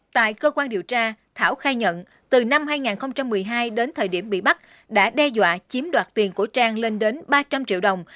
tại cơ quan điều tra thảo khai nhận từ năm hai nghìn một mươi hai đến thời điểm bị bắt đã đe dọa chiếm đoạt tiền của trang lên đến ba trăm linh triệu đồng